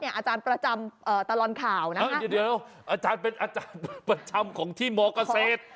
อาจารย์ประจำตลอดข่าวนะเดี๋ยวอาจารย์เป็นอาจารย์ประจำของที่มเกษตร